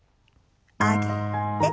上げて。